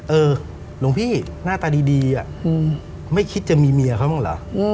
เออหลวงพี่หน้าตาดีไม่คิดจะมีเมียเขาหรอ